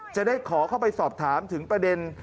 จะได้ขอเข้าไปสอบถามถึงประเด็น